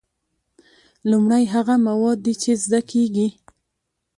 لومړی هغه مواد دي چې زده کیږي.